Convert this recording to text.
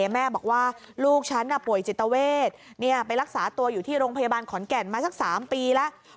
แม่บอกว่าลูกฉันป่วยจิตเวทไปรักษาตัวอยู่ที่โรงพยาบาลขอนแก่นมาสัก๓ปีแล้ว